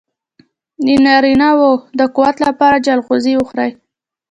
د نارینه وو د قوت لپاره چلغوزي وخورئ